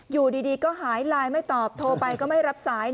อยู่ดีก็หายไลน์ไม่ตอบโทรไปก็ไม่รับสาย